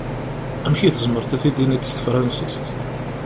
Amek i tzemreḍ ad t-id-tiniḍ s tefṛansist?